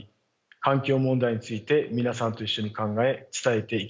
環境問題について皆さんと一緒に考え伝えていきたいと思います。